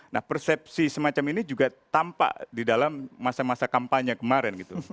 nah persepsi semacam ini juga tampak di dalam masa masa kampanye kemarin gitu